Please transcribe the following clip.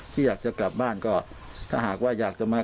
ที่อยากจะกลับบ้านก็ถ้าหากว่าอยากจะมา